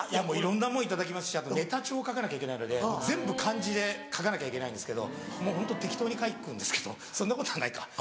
いろんなもの頂きますしあとネタ帳書かなきゃいけないので全部漢字で書かなきゃいけないんですけどホント適当に書くんですけどそんなことはないか。